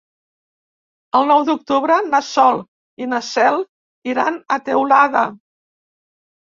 El nou d'octubre na Sol i na Cel iran a Teulada.